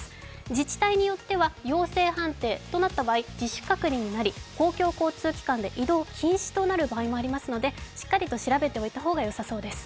自治体によっては陽性判定となった場合、自主隔離となり公共交通機関で、移動禁止となる場合もありますのでしっかりと調べておいた方がよさそうです。